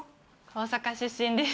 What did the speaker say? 大阪出身です。